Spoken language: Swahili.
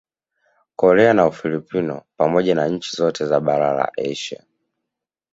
Korea na Ufilipino pamoja na nchi zote za bara la Asia